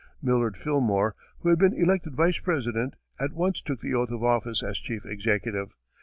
Millard Fillmore, who had been elected Vice President, at once took the oath of office as chief executive.